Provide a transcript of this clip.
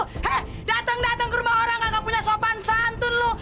hei dateng dateng ke rumah orang gak punya sopan santun lo